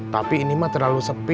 tapi ini mah terlalu sepi